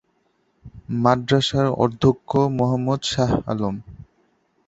মাদ্রাসার অধ্যক্ষ মোহাম্মদ শাহ আলম।